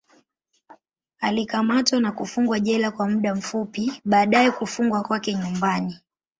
Alikamatwa na kufungwa jela kwa muda fupi, baadaye kufungwa kwake nyumbani.